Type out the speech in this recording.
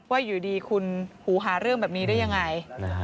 อยู่ดีคุณหูหาเรื่องแบบนี้ได้ยังไง